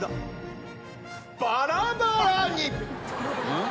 うん？